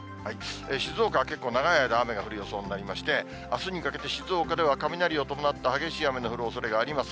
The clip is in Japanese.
静岡は結構長い間雨が降る予想になりまして、あすにかけて静岡では雷を伴った激しい雨の降るおそれがあります。